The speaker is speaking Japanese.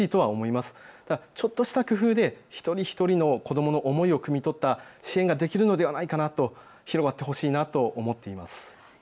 ですがちょっとした工夫で一人一人の子どもの思いをくみ取った支援ができるのではないかと広がってほしいと思います。